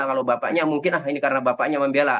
kalau bapaknya mungkin ah ini karena bapaknya membela